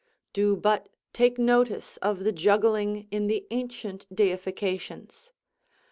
Do but take notice of the juggling in the ancient deifications.